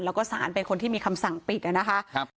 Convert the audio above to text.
แล้วก็สารเป็นคนที่มีคำสั่งปิดนะคะ